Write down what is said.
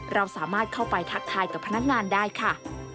เราสามารถเข้าไปทักทายกับพนักงานได้ค่ะ